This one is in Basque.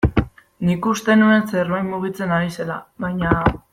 Nik uste nuen zerbait mugitzen ari zela, baina...